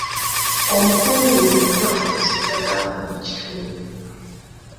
Omukungu mu kukola ku nsonga z'abaana mu kitundu.